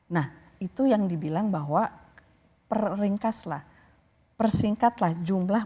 nah itu yang dibilang bahwa per ringkaslah persingkatlah jumlah